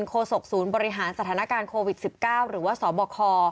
โศกศูนย์บริหารสถานการณ์โควิด๑๙หรือว่าสบค